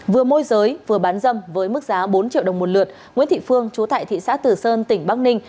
vừa môi giới vừa bán dâm với mức giá bốn triệu đồng một lượt nguyễn thị phương chú tại thị xã tử sơn tỉnh bắc ninh